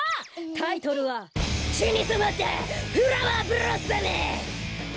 タイトルは「ちにそまったフラワーブロッサム」！